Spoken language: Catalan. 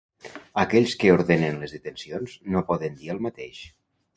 Aquells que ordenen les detencions no poden dir el mateix.